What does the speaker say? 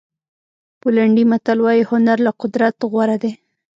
پولنډي متل وایي هنر له قدرت غوره دی.